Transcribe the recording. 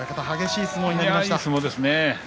いい相撲でしたね。